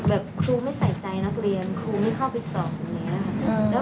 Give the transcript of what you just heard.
แบบครูไม่ใส่ใจนักเรียนครูไม่เข้าไปส่องอย่างเงี้ยอืม